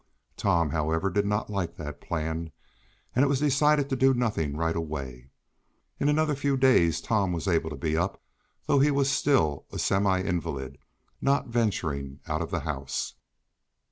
Tom, however, did not like that plan, and it was decided to do nothing right away. In another few days Tom was able to be up, though he was still a semi invalid, not venturing out of the house.